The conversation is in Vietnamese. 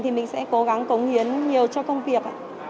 thì mình sẽ cố gắng cống hiến nhiều cho công việc